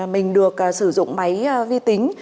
mình được sử dụng máy vi tính